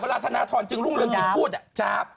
เวลาธนทรรุ่งเริ่มสูงถึงพูดฉาบ